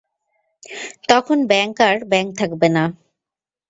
তখন ব্যাংক আর ব্যাংক থাকবে না।